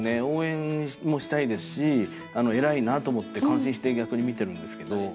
応援もしたいですし偉いなと思って感心して逆に見てるんですけど。